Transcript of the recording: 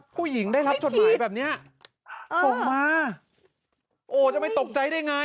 ผู้หญิงได้รับจดหมายแบบนี้ตกมาโอ้จะไม่ตกใจได้ไง